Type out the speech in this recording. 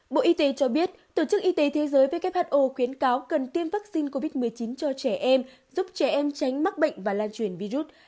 bộ y tế cho biết tổ chức y tế thế giới who khuyến cáo cần tiêm vaccine covid một mươi chín cho trẻ em giúp trẻ em tránh mắc bệnh và lan truyền virus